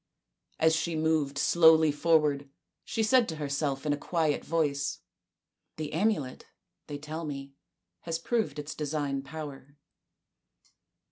As she moved slowly forward she said to herself in a quiet voice, " The amulet, they tell me, has proved its divine power."